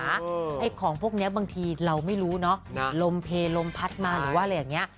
ไอ้ของพวกนี้บางทีเราไม่รู้เนอะลมเพลลมพัดมาหรือว่าอะไรอย่างนี้